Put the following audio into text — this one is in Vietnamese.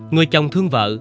người chồng thương vợ